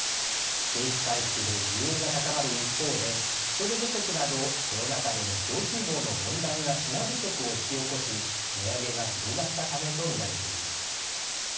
景気回復で需要が高まる一方で人手不足などコロナ禍での供給網の混乱が品不足を引き起こし値上げが広がったためとみられています。